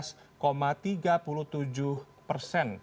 sekitar enam belas tiga persen